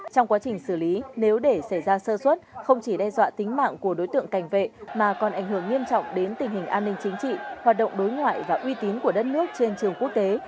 trong quá trình xử lý nếu để xảy ra sơ xuất không chỉ đe dọa tính mạng của đối tượng cảnh vệ mà còn ảnh hưởng nghiêm trọng đến tình hình an ninh chính trị hoạt động đối ngoại và uy tín của đất nước trên trường quốc tế